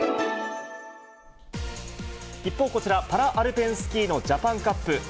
一方、こちら、パラアルペンスキーのジャパンカップ。